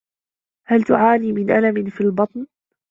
هل تعاني من ألم في البطن؟